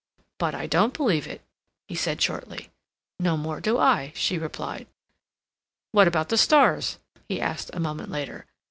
"But I don't believe it," he said shortly. "No more do I," she replied. "What about the stars?" he asked a moment later.